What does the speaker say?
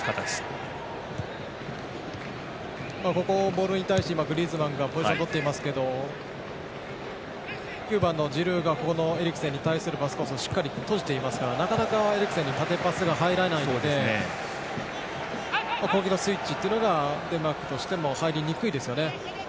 ボールに対してグリーズマンがポジションをとっていますけど９番のジルーがエリクセンに対するパスコースをしっかり閉じていますからなかなかエリクセンに縦パスが入らないので攻撃のスイッチがデンマークとしても入りにくいですよね。